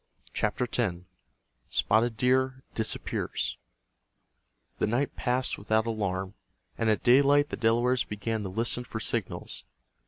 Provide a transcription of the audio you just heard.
CHAPTER X—SPOTTED DEER DISAPPEARS The night passed without alarm, and at daylight the Delawares began to listen for signals.